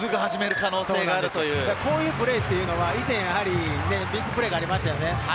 こういうプレーは、以前、ビッグプレーがありましたよね。